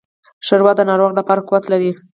ښوروا د ناروغ لپاره قوت لري.